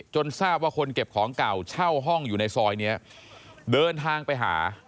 ทราบว่าคนเก็บของเก่าเช่าห้องอยู่ในซอยนี้เดินทางไปหา